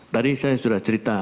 tadi saya sudah cerita